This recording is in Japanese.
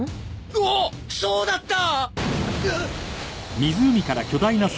うおっそうだった！